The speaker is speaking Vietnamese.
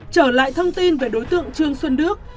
trở lại thông tin về đối tượng trương xuân đức